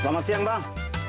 selamat siang bang